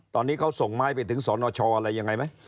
ตอนนี้เขาส่งไม้ไปถึงสนชอะไรยังไงไหม